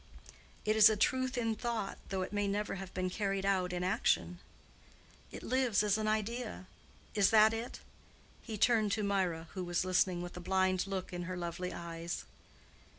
"It is a truth in thought though it may never have been carried out in action. It lives as an idea. Is that it?" He turned to Mirah, who was listening with a blind look in her lovely eyes.